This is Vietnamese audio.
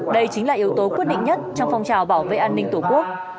đây chính là yếu tố quyết định nhất trong phong trào bảo vệ an ninh tổ quốc